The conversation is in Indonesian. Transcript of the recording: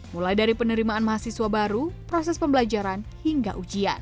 mulai dari penerimaan mahasiswa baru proses pembelajaran hingga ujian